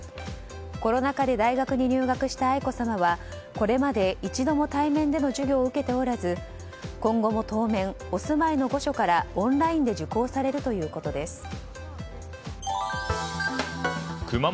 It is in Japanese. コロナ禍で大学に入学した愛子さまはこれまで一度も対面での授業を受けておらず今後も当面、お住まいの御所からオンラインで受講されるということです。